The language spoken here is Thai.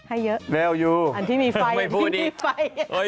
อันที่มีไฟอันที่มีไฟ